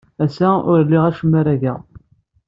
Ass-a, ur liɣ acemma ara geɣ.